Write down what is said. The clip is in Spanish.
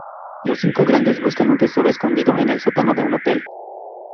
Los Cinco Grandes buscan un tesoro escondido en el sótano de un hotel.